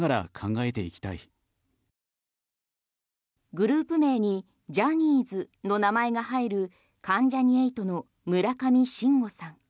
グループ名にジャニーズの名前が入る関ジャニ∞の村上信五さん。